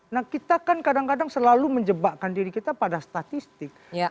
nah kita kan kadang kadang selalu menjebakkan diri kita pada statistik